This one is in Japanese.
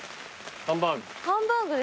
ハンバーグ。